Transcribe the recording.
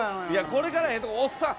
これからええとこおっさん。